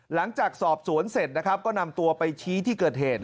หลังจากสอบสวนเสร็จนะครับก็นำตัวไปชี้ที่เกิดเหตุ